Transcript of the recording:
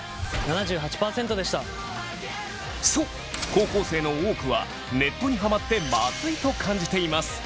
そう高校生の多くはネットにハマってマズイと感じています。